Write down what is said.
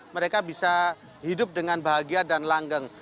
mereka bisa hidup dengan bahagia dan langgeng